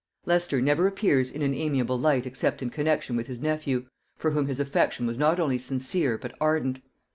Leicester never appears in an amiable light except in connexion with his nephew, for whom his affection was not only sincere but ardent.